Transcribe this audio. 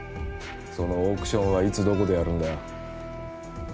そのオークションはいつどこでやるんだよ